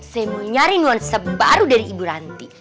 saya mau nyari nuansa baru dari ibu ranti